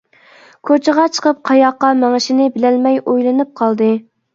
كوچىغا چىقىپ، قاياققا مېڭىشىنى بىلەلمەي، ئويلىنىپ قالدى.